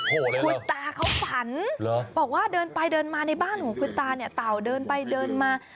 คุณตาเขาฝันบอกว่าเดินไปเดินมาในบ้านของคุณตาเนี่ยเต่าเดินไปเดินมา